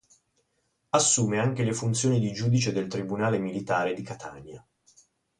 Assume anche le funzioni di Giudice del Tribunale Militare di Catania.